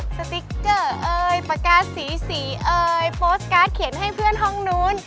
สติ๊กเกอร์ปากาสสีโปสต์การ์ดเขียนให้เพื่อนห้องนู้น